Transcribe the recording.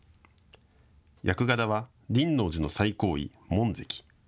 役柄は輪王寺の最高位、門跡。